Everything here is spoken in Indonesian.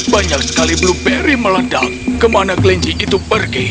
banyak sekali blueberry meledak kemana kelinci itu pergi